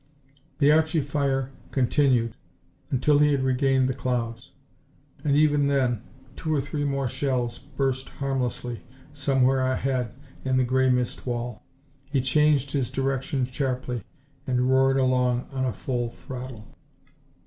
The Archie fire continued until he had regained the clouds, and even then two or three more shells burst harmlessly somewhere ahead in the grey mist wall. He changed his direction sharply and roared along on a full throttle.